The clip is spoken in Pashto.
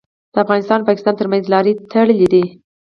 د افغانستان او پاکستان ترمنځ لارې تړلي دي.